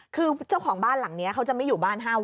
คือเจ้าของบ้านหลังนี้เขาจะไม่อยู่บ้านห้าว